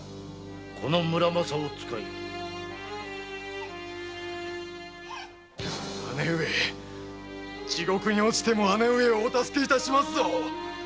この「村正」を使え姉上地獄に堕ちてもお助け致しますぞ。